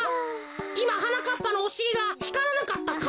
いまはなかっぱのおしりがひからなかったか？